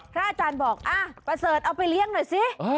อาจารย์บอกประเสริฐเอาไปเลี้ยงหน่อยสิ